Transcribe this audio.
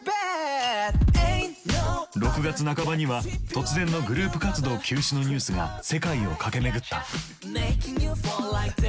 ６月半ばには突然のグループ活動休止のニュースが世界を駆け巡った。